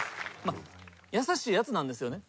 優しいやつなんですよね。